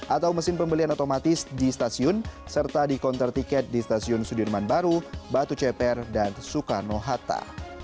atau mesin pembelian otomatis di stasiun serta di konter tiket di stasiun sudirman baru batu ceper dan soekarno hatta